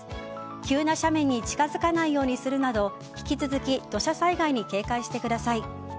急な斜面に近づかないようにするなど引き続き土砂災害に警戒してください。